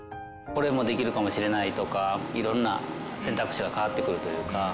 これもできるかもしれないとか色んな選択肢が変わってくるというか。